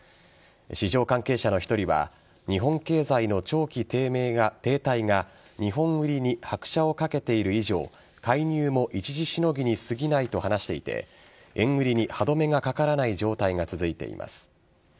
市場関係者の１人は日本経済の長期停滞が日本売りに拍車をかけている以上介入も一時しのぎに過ぎないと話していて円売りに歯止めがかからない状態が続いています。